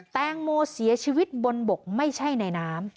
แตงโมเสียชีวิตบนบกไม่ใช่ในน้ำ